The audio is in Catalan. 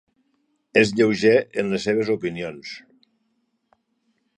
És lleuger en les seves opinions.